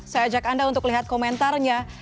saya ajak anda untuk lihat komentarnya